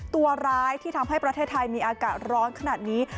ตัวร้ายที่ทำให้ประเทศไทยมีอากาศร้อนขนาดนี้